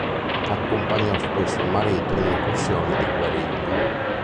Accompagnò spesso il marito in incursioni di guerriglia.